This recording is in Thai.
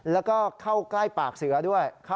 แล้วก็เข้าใกล้ปากเสือด้วย